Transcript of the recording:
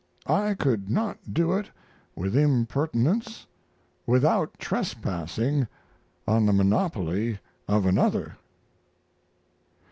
I could not do it with impertinence without trespassing on the monopoly of another.